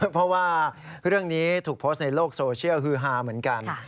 เพราะว่าเรื่องนี้ถูกโพสต์ในโลกโซเชียลฮือฮาเหมือนกัน